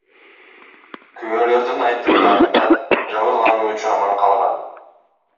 Күбөлөрдүн айтымдарында, жабырлануучу аман калган.